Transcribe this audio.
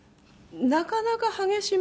なかなか激しめよね？